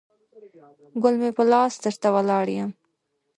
ګل مې په لاس درته ولاړ یم